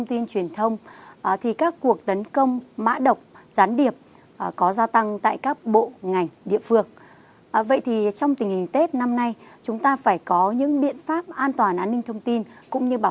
xin chào và hẹn gặp lại các bạn trong những video tiếp theo